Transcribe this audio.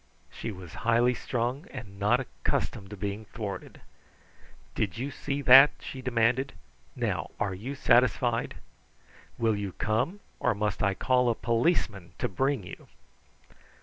She was highly strung and not accustomed to being thwarted. "Did You see that?" she demanded. "Now are you satisfied? Will you come, or must I call a policeman to bring you?"